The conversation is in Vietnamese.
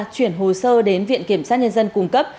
chuyển hồ sơ đến viện kiểm sát nhân dân cung cấp